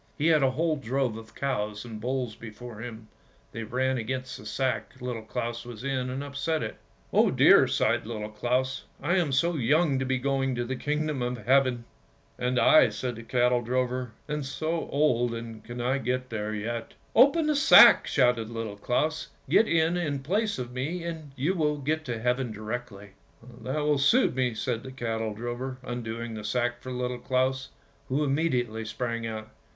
He had a whole drove of cows and bulls before him; they ran against the sack Little Claus was in, and upset it. "Oh dear!" sighed Little Claus; "I am so young to be going to the Kingdom of Heaven! "" And I," said the cattle drover, " am so old and cannot get there yet! "" Open the sack! " shouted Little Claus. " Get in in place of me, and you will get to heaven directly !''''' That will just suit me," said the cattle drover, undoing the sack for Little Claus, who immediately sprang out.